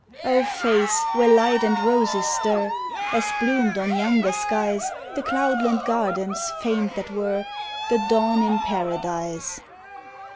O face where light and roses stir, As bloomed on younger skies The cloudland gardens faint that were The dawn in Paradise!